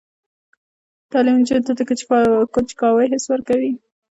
تعلیم نجونو ته د کنجکاوۍ حس ورکوي.